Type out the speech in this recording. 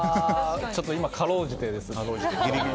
ちょっと今、かろうじてですね。